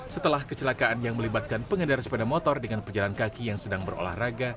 setelah kecelakaan yang melibatkan pengendara sepeda motor dengan pejalan kaki yang sedang berolahraga